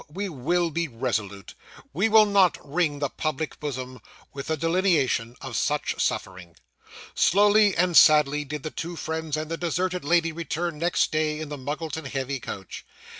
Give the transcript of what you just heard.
we will be resolute! We will not wring the public bosom, with the delineation of such suffering! Slowly and sadly did the two friends and the deserted lady return next day in the Muggleton heavy coach.